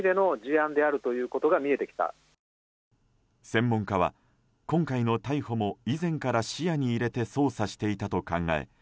専門家は、今回の逮捕も以前から視野に入れて捜査していたと考え